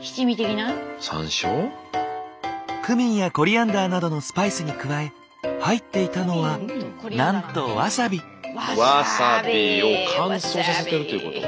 クミンやコリアンダーなどのスパイスに加え入っていたのはなんとワサビ。を乾燥させているってこと？